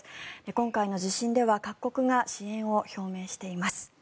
今回の地震では各国が支援を表明しています。